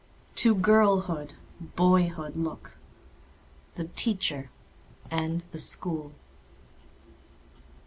To girlhood, boyhood look—the Teacher and the School.